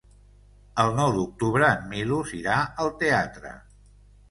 El nou d'octubre en Milos irà al teatre.